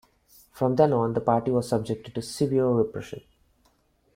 From then on, the party was subjected to severe repression.